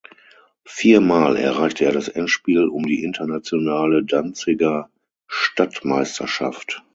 Viermal erreichte er das Endspiel um die Internationale Danziger Stadtmeisterschaft.